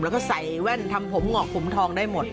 แล้วก็ใส่แว่นทำผมหงอกผมทองได้หมด